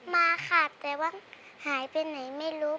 มาค่ะแต่ว่าหายไปไหนไม่รู้